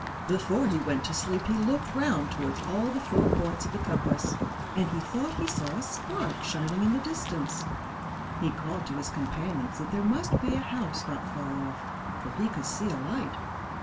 Before he went to sleep he looked round towards all the four points of the compass, and he thought he saw a spark shining in the distance. He called to his companions that there must be a house not far off; for he could see a light.